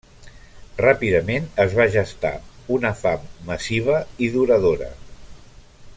Ràpidament, es va gestar una fam massiva i duradora.